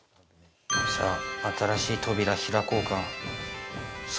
さぁ新しい扉開こうか。